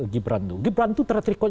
gibran tuh gibran tuh terhadap tretrikot